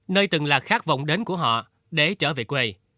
nơi từng là khát vọng đến của họ để trở về quê